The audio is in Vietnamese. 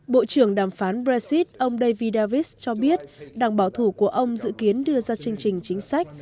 bộ trưởng đàm phán brexit ông david davis cho biết đảng bảo thủ của ông dự kiến đưa ra chương trình chính sách